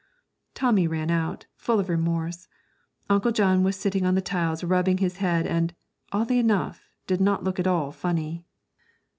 Tommy ran out, full of remorse. Uncle John was sitting on the tiles rubbing his head, and, oddly enough, did not look at all funny.